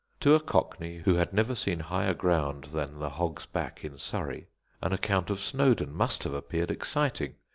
To a cockney who had never seen higher ground than the Hog's Back in Surrey, an account of Snowdon must have appeared exciting.